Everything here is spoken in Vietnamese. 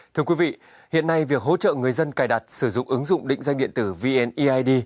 thưa quý vị hiện nay việc hỗ trợ người dân cài đặt sử dụng ứng dụng định danh điện tử vneid